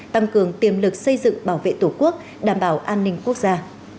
tăng cường tiềm lực xây dựng bảo vệ tổ quốc đảm bảo an ninh quốc gia